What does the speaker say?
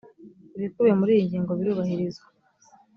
ibikubiye muri iyi ngingo birubahirizwa.